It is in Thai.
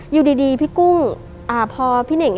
อยู่ดีพี่กุ้งพอพี่เน่ง